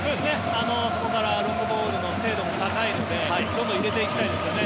そこからロングボールの精度も高いのでどんどん入れていきたいですね